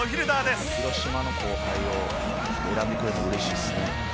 「広島の後輩を選んでくれて嬉しいですね」